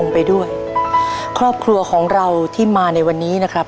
ไปด้วยครอบครัวของเราที่มาในวันนี้นะครับ